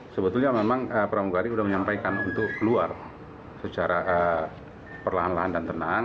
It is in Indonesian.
sebetulnya memang pramugari sudah menyampaikan untuk keluar secara perlahan lahan dan tenang